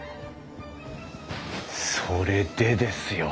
それでですよ。